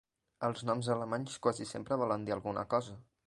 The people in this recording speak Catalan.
Els noms alemanys quasi sempre volen dir alguna cosa.